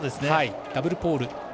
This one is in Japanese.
ダブルポール。